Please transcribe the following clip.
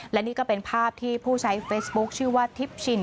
และนี่ก็เป็นภาพที่ผู้ใช้เฟซบุ๊คชื่อว่าทิพชิน